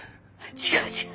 違う違う！